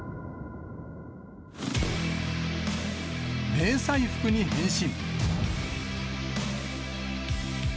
迷彩服に変身。